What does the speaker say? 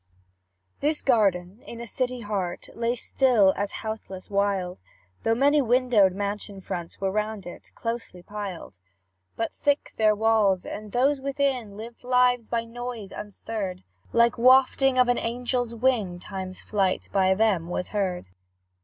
This garden, in a city heart, Lay still as houseless wild, Though many windowed mansion fronts Were round it; closely piled; But thick their walls, and those within Lived lives by noise unstirred; Like wafting of an angel's wing, Time's flight by them was heard.